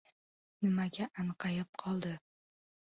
– Nimaga anqayib qoldi?